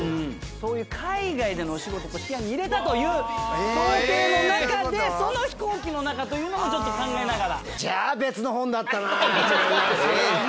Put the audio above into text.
そういう海外でのお仕事を視野に入れたという想定の中でその飛行機の中というのもちょっと考えながら。